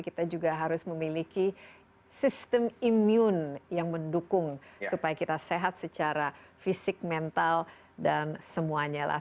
kita juga harus memiliki sistem imun yang mendukung supaya kita sehat secara fisik mental dan semuanya lah